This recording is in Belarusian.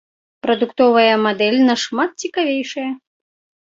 Прадуктовая мадэль нашмат цікавейшая.